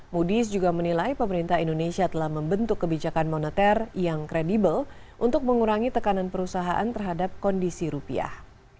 ⁇ oodys ⁇ juga menilai pemerintah indonesia telah membentuk kebijakan moneter yang kredibel untuk mengurangi tekanan perusahaan terhadap kondisi rupiah